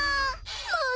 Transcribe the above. もう！